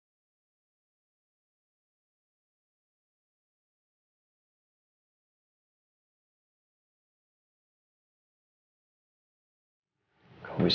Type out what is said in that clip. kita bisa sampai adjustments